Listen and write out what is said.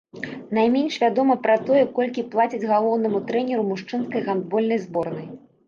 Найменш вядома пра тое, колькі плацяць галоўнаму трэнеру мужчынскай гандбольнай зборнай.